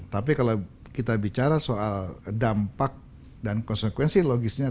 tapi kalau kita bicara soal dampak dan konsekuensi logisnya